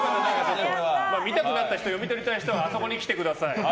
見たくなった人読み取りたい人はあそこに来てください。